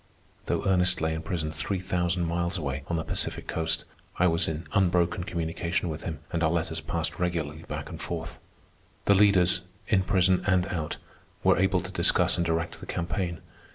Though Ernest lay in prison three thousand miles away, on the Pacific Coast, I was in unbroken communication with him, and our letters passed regularly back and forth. The leaders, in prison and out, were able to discuss and direct the campaign.